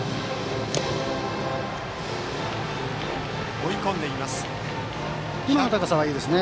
追い込んでいます。